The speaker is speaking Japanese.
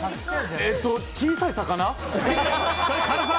小さい魚。